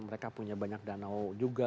mereka punya banyak danau juga